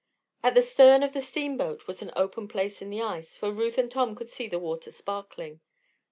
At the stern of the steamboat was an open place in the ice, for Ruth and Tom could see the water sparkling.